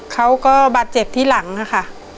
เขาก็บาดเจ็บที่หลังค่ะ